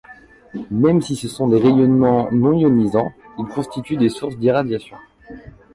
Même si ce sont des rayonnements non-ionisants, ils constituent des sources d'irradiation.